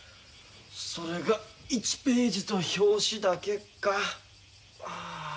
それが１ページと表紙だけか。